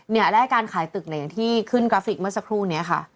เนี่ยและการขายตึกในที่ขึ้นกราฟิกเมื่อสักครู่นี้ค่ะ